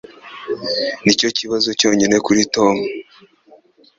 Nicyo kibazo cyonyine kuri Tom